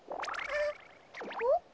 あっ！